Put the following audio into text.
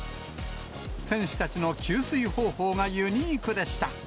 選手たちの給水方法がユニークでした。